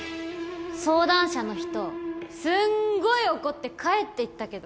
相談者の人すんごい怒って帰って行ったけど。